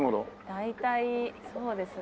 大体そうですね。